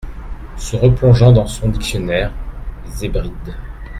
Se replongeant dans son dictionnaire. « Z’Hébrides…